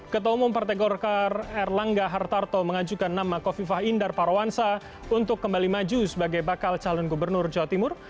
ketua umum partai golkar erlangga hartarto mengajukan nama kofifah indar parawansa untuk kembali maju sebagai bakal calon gubernur jawa timur